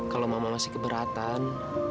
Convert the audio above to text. kalau mama masih keberatan